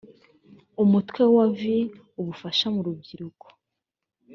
umutwe wa vi ubufasha mu rubyiruko